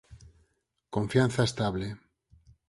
Confianza estable